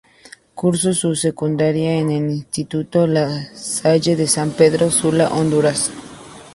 Cursó su secundaria en el instituto La Salle de San Pedro Sula, Honduras.